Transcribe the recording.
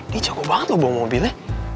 dia jago banget loh bawa mobilnya